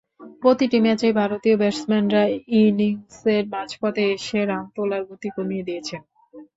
প্রতিটি ম্যাচেই ভারতীয় ব্যাটসম্যানরা ইনিংসের মাঝপথে এসে রান তোলার গতি কমিয়ে দিয়েছেন।